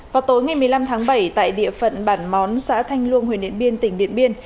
vào tối ngày một mươi năm tháng bảy tại địa phận bản món xã thanh luông huyện điện biên tỉnh điện biên